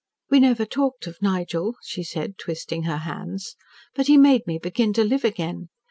"We never talked of Nigel," she said, twisting her hands. "But he made me begin to live again.